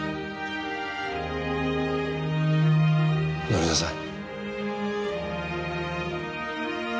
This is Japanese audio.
乗りなさい。